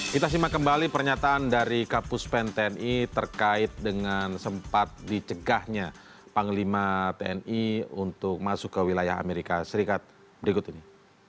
kita simak kembali pernyataan dari kapus pen tni terkait dengan sempat dicegahnya panglima tni untuk masuk ke wilayah amerika serikat berikut ini